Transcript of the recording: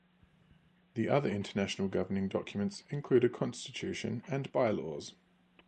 The other international governing documents include a Constitution and By-Laws.